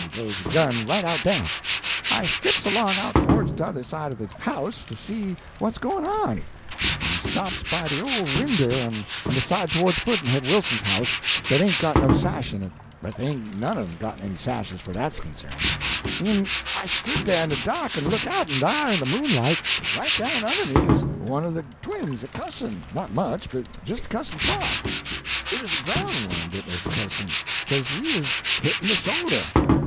goes a gun, right out dah. I skips along out towards t'other end o' de house to see what's gwyne on, en stops by de ole winder on de side towards Pudd'nhead Wilson's house dat ain't got no sash in it, but dey ain't none of 'em got any sashes, fur as dat's concerned, en I stood dah in de dark en look out, en dar in de moonlight, right down under me 'uz one o' de twins a cussin' not much, but jist a cussin' soft it 'uz de brown one dat 'uz cussin', 'ca'se he 'uz hit in de shoulder.